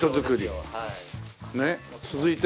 はい。